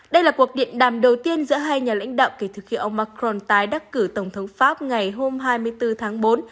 đây là cuộc điện đàm đầu tiên giữa hai nhà lãnh đạo kể từ khi ông macron tái đắc cử tổng thống pháp ngày hôm hai mươi bốn tháng bốn